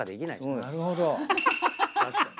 確かに。